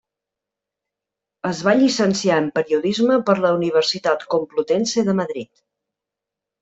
Es va llicenciar en periodisme per la Universitat Complutense de Madrid.